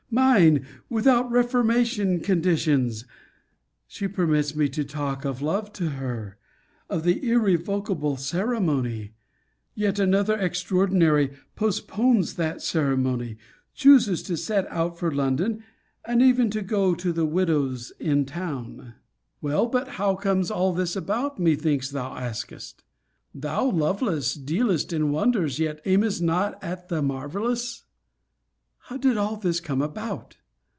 Mine! without reformation conditions! She permits me to talk of love to her! of the irrevocable ceremony! Yet, another extraordinary! postpones that ceremony; chooses to set out for London; and even to go to the widow's in town. Well, but how comes all this about? methinks thou askest. Thou, Lovelace, dealest in wonders, yet aimest not at the marvellous! How did all this come about?